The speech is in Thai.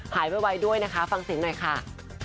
หายไปไว้ด้วยนะคะฟังสิ้นหน่อยค่ะ